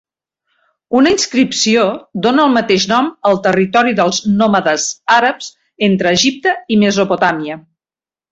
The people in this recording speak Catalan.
Una inscripció dóna el mateix nom al territori dels nòmades àrabs entre Egipte i Mesopotàmia.